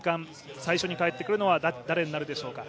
最初に帰ってくるのは誰になるでしょうか。